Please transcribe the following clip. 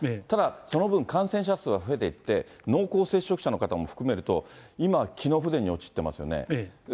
ただ、その分、感染者数は増えていって、濃厚接触者の方も含めると、今、機能不全に陥ってますよね。